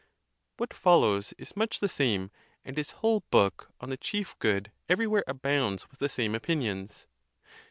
What fol lows is much the same, and his whole book on the chief good everywhere abounds with the same opinions.